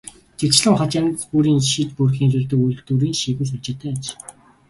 Тэрчлэн хот янз бүрийн иж бүрдэл нийлүүлдэг үйлдвэрүүдийн шигүү сүлжээтэй аж.